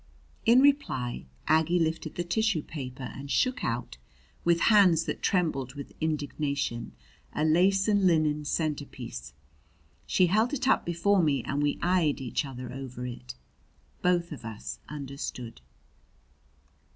In reply Aggie lifted the tissue paper and shook out, with hands that trembled with indignation, a lace and linen centerpiece. She held it up before me and we eyed each other over it. Both of us understood.